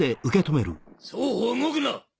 双方動くな！